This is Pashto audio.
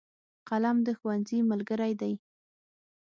قلم د ښوونځي ملګری دی.